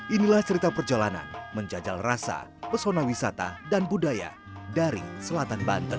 inilah cerita perjalanan menjajal rasa pesona wisata dan budaya dari selatan banten